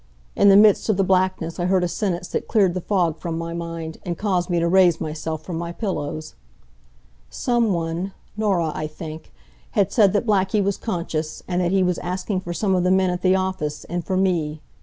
In the midst of the blackness I heard a sentence that cleared the fog from my mind, and caused me to raise myself from my pillows. Some one Norah, I think had said that Blackie was conscious, and that he was asking for some of the men at the office, and for me.